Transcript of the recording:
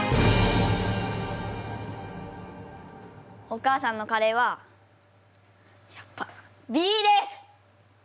お母さんのカレーはやっぱＢです！